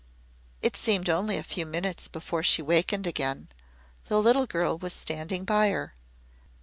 It seemed only a few minutes before she wakened again. The little girl was standing by her.